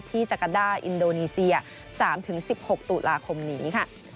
จักรด้าอินโดนีเซีย๓๑๖ตุลาคมนี้ค่ะ